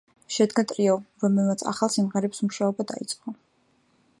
შედგა ტრიო, რომელმაც ახალ სიმღერებზე მუშაობა დაიწყო.